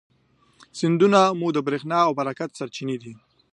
سیندونه مو د برېښنا او برکت سرچینې دي.